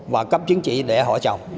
và cấp chứng chỉ để họ trồng